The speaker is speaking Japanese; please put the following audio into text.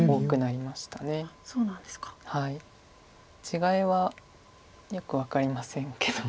違いはよく分かりませんけど。